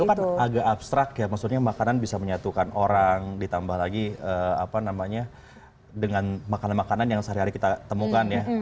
itu kan agak abstrak ya maksudnya makanan bisa menyatukan orang ditambah lagi apa namanya dengan makanan makanan yang sehari hari kita temukan ya